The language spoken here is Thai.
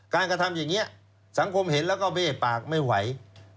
กระทำอย่างนี้สังคมเห็นแล้วก็เบ้ปากไม่ไหว